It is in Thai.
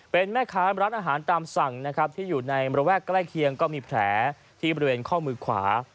เป็นแม่ค้าร้านอาหารตามสั่งนะครับที่อยู่ในระแวกใกล้เคียงก็มีแผลที่บริเวณข้อมือขวา